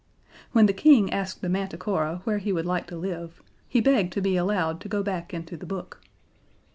When the King asked the Manticora where he would like to live he begged to be allowed to go back into the book.